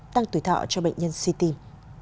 tăng tuổi thọ cho bệnh nhân suy tim